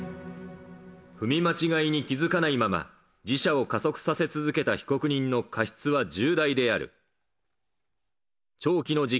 踏み間違いに気付かないまま、自車を加速させ続けた被告人の過失は重大である。